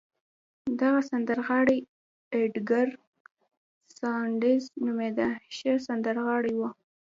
دغه سندرغاړی اېدګر ساندرز نومېده، ښه سندرغاړی و.